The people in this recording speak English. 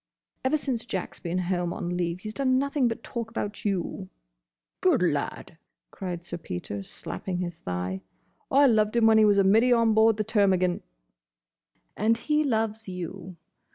"Ever since Jack's been home on leave, he's done nothing but talk about you—" "Good lad!" cried Sir Peter, slapping his thigh. "I loved him when he was a middy on board the Termagant." "And he loves you.